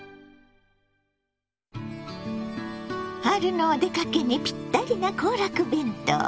春のお出かけにぴったりな行楽弁当。